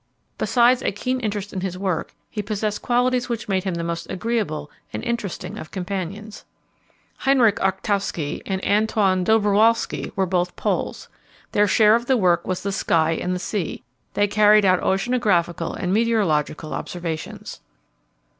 Besides a keen interest in his work, he possessed qualities which made him the most agreeable and interesting of companions. Henryk Arçtowski and Antoine Dobrowolski were both Poles. Their share of the work was the sky and the sea; they carried out oceanographical and meteorological observations.